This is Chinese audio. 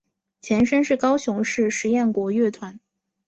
前身是高雄市实验国乐团。